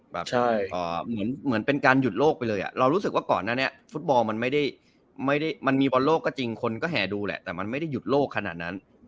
เหมือนเป็นการหยุดโลกไปเลยเรารู้สึกว่าก่อนหน้านี้ฟุตบอลมันไม่ได้มันมีบอลโลกก็จริงคนก็แห่ดูแหละแต่มันไม่ได้หยุดโลกขนาดนั้น